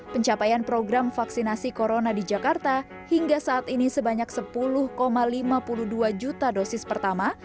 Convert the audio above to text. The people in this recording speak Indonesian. pencapaian program vaksinasi corona di jakarta hingga saat ini sebanyak sepuluh lima puluh dua juta dosis pertama